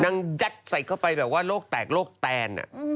นั่งยัดใส่เข้าไปแบบว่าโลกแตกโลกแทน